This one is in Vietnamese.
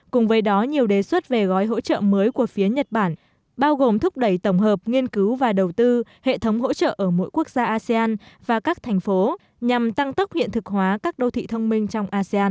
cùng với đó nhiều đề xuất về gói hỗ trợ mới của phía nhật bản bao gồm thúc đẩy tổng hợp nghiên cứu và đầu tư hệ thống hỗ trợ ở mỗi quốc gia asean và các thành phố nhằm tăng tốc hiện thực hóa các đô thị thông minh trong asean